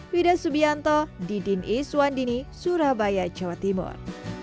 widah subianto di dini suandini surabaya jawa timur